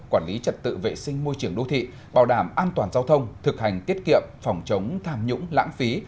quản lý trật tự vệ sinh môi trường đô thị bảo đảm an toàn giao thông thực hành tiết kiệm phòng chống tham nhũng lãng phí